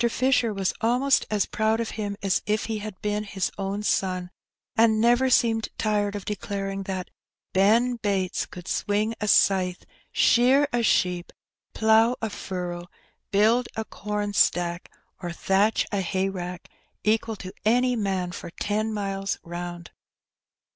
Fisher was almost as ^ proud of him as if he had been his own son, and never seemed tired of declaring that " Ben Bates could swing a scythe, shear a sheep, plough a furrow, build a corn stack, or thatch a hayrick equal to any man for ten miles round.''